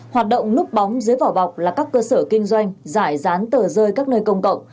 hoạt động núp bóng dưới vỏ bọc là các cơ sở kinh doanh giải dán tờ rơi các nơi công cộng